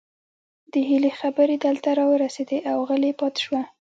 د هيلې خبرې دلته راورسيدې او غلې پاتې شوه